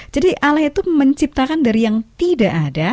jadi allah itu menciptakan dari yang tidak ada